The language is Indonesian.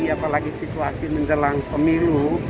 apalagi situasi menjelang pemilu